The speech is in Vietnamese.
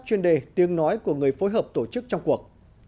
chuyên đề tiếng nói của người phối hợp tổ chức trong cuộc